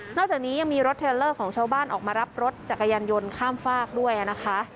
จากนี้ยังมีรถเทลเลอร์ของชาวบ้านออกมารับรถจักรยานยนต์ข้ามฝากด้วยนะคะ